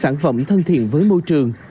sản phẩm thân thiện với môi trường